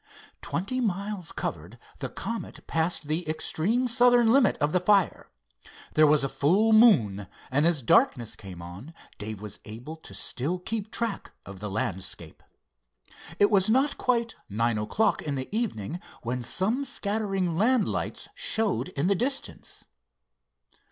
Twenty miles covered, the Comet passed the extreme southern limit of the fire. There was a full moon, and as darkness came on Dave was able to still keep track of the landscape. It was not quite nine o'clock in the evening when some scattering land lights showed in the distance.